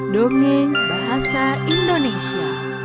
dongeng bahasa indonesia